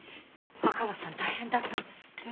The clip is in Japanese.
赤松さん大変だったんですって？